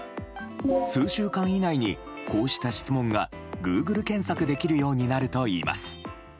数週間以内に、こうした質問がグーグル検索できるようになるといいます。